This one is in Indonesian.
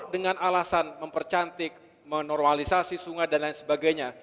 menerimalisasi sungai dan lain sebagainya